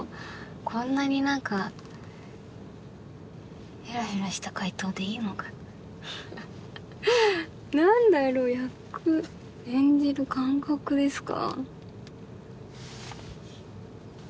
こんなに何かヘラヘラした回答でいいのかな何だろう役演じる感覚ですか？